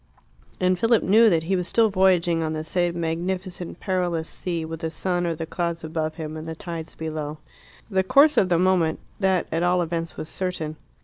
And Philip knew that he was still voyaging on the same magnificent, perilous sea, with the sun or the clouds above him, and the tides below. The course of the moment that, at all events, was certain.